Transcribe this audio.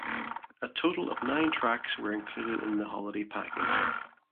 A total of nine tracks were included in the holiday package.